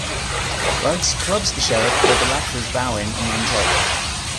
Bugs clubs the Sheriff while the latter is bowing and runs off.